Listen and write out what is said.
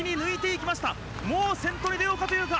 もう先頭に出ようかというか。